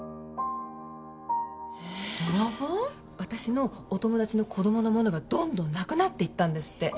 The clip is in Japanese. わたしのお友達の子供の物がどんどんなくなっていったんですって。